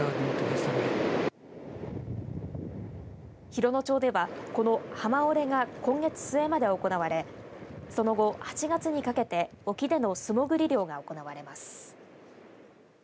洋野町では、この浜下れが今月末まで行われその後、８月にかけて沖での素もぐり漁が行われます。